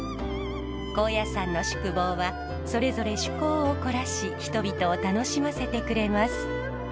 高野山の宿坊はそれぞれ趣向を凝らし人々を楽しませてくれます。